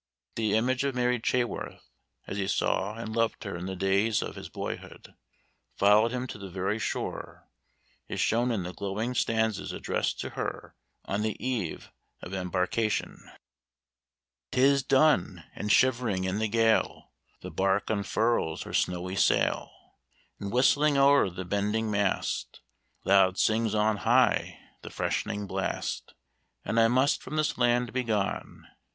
That the image of Mary Chaworth, as he saw and loved her in the days of his boyhood, followed him to the very shore, is shown in the glowing stanzas addressed to her on the eve of embarkation "'Tis done and shivering in the gale The bark unfurls her snowy sail; And whistling o'er the bending mast, Loud sings on high the fresh'ning blast; And I must from this land be gone.